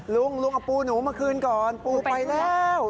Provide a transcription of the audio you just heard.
ลุงลุงเอาปูหนูมาคืนก่อนปูไปแล้ว